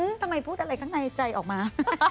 ทำไมพูดอะไรข้างในใจออกมา